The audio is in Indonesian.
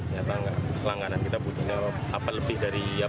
nyata langganan kita punya lebih dari dua kg ya